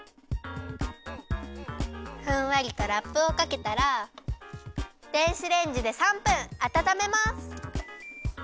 ふんわりとラップをかけたら電子レンジで３分あたためます。